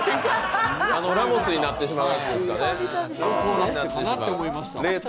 ラモスになってしまうやつですかね。